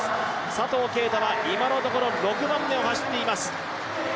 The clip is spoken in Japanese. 佐藤圭汰は今のところ６番目を走っています。